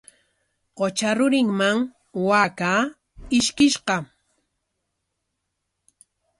Qutra rurinman waakaa ishkishqa.